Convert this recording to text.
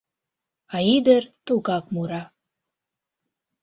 А ӱдыр тугак мура.